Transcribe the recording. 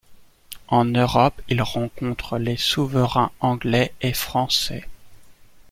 En Europe, ils rencontrent les souverains anglais et français.